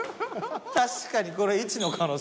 確かにこれ１の可能性。